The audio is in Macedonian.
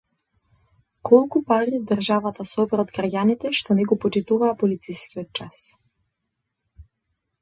Колку пари државата собра од граѓаните што не го почитуваа полицискиот час